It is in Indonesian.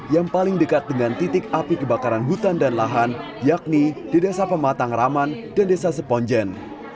yang paling dekat dengan titik api kebakaran hutan dan lahan yakni di desa pematang raman dan desa seponjen